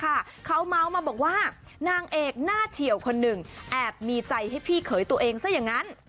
เขาเมาส์มาบอกว่านางเอกหน้าเฉียวคนหนึ่งแอบมีใจให้พี่เขยตัวเองซะอย่างนั้น